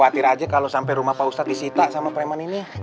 gak hati hati aja kalo sampai rumah pak ustadz disita sama preman ini ya